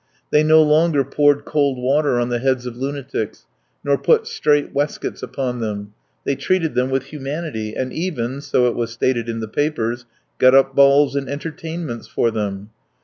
They no longer poured cold water on the heads of lunatics nor put strait waistcoats upon them; they treated them with humanity, and even, so it was stated in the papers, got up balls and entertainments for them.